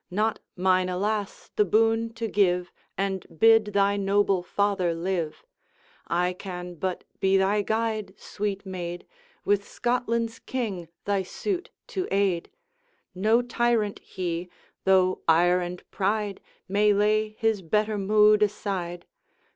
Not mine, alas! the boon to give, And bid thy noble father live; I can but be thy guide, sweet maid, With Scotland's King thy suit to aid. No tyrant he, though ire and pride May lay his better mood aside.